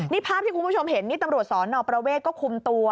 นี่ภาพที่คุณผู้ชมเห็นนี่ตำรวจสอนอประเวทก็คุมตัว